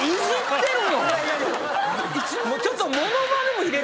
ちょっと。